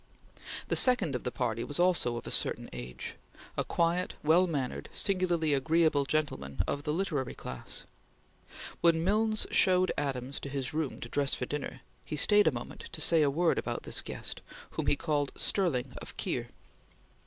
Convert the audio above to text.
The second of the party was also of a certain age; a quiet, well mannered, singularly agreeable gentleman of the literary class. When Milnes showed Adams to his room to dress for dinner, he stayed a moment to say a word about this guest, whom he called Stirling of Keir.